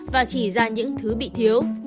và chỉ ra những thứ bị thiếu